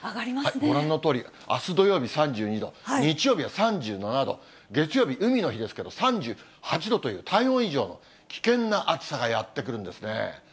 ご覧のとおり、あす土曜日３２度、日曜日は３７度、月曜日、海の日ですけれども、３８度という体温以上の危険な暑さがやって来るんですね。